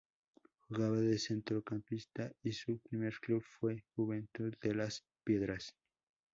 Jugaba de centrocampista y su primer club fue Juventud de Las Piedras.